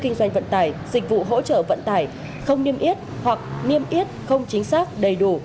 kinh doanh vận tải dịch vụ hỗ trợ vận tải không niêm yết hoặc niêm yết không chính xác đầy đủ